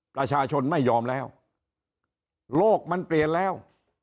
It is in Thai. ประชาชนไม่ยอมแล้วโลกมันเปลี่ยนแล้ว